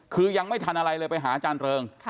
คือยังไม่ทันอะไรเลยไปหาอาจารย์เริง